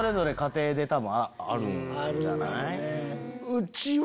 うちは。